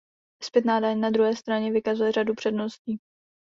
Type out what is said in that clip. Zpětná daň na druhé straně vykazuje řadu předností.